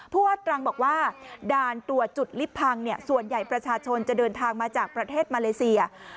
ผู้ว่าตรังบอกว่าด่านตรวจจุดลิฟต์พังส่วนใหญ่ประชาชนจะเดินทางมาจากประเทศมาเลเซีย